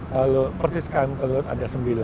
kalau persis km kelud ada sembilan